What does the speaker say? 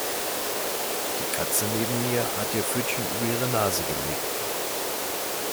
Die Katze neben mir hat ihr Pfötchen über ihre Nase gelegt.